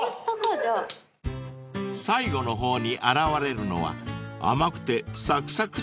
［最後の方に現れるのは甘くてサクサクっとした］